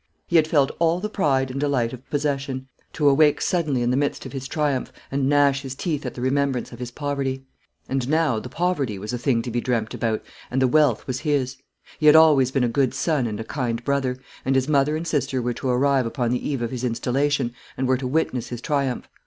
He had felt all the pride and delight of possession, to awake suddenly in the midst of his triumph, and gnash his teeth at the remembrance of his poverty. And now the poverty was a thing to be dreamt about, and the wealth was his. He had always been a good son and a kind brother; and his mother and sister were to arrive upon the eve of his installation, and were to witness his triumph.